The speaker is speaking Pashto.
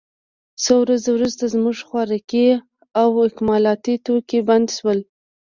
څو ورځې وروسته زموږ خوراکي او اکمالاتي توکي بند شول